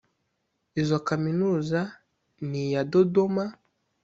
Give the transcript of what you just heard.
Izo kaminuza ni iya Dodoma